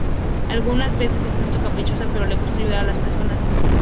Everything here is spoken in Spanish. Algunas veces es un tanto caprichosa, pero le gusta ayudar a las personas.